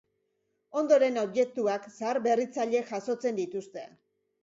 Ondoren objektuak zaharberritzaileek jasotzen dituzte.